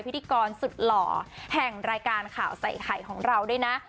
พิธีกรสุดหล่อแห่งรายการข่าวใส่ไข่ของเราด้วยนะ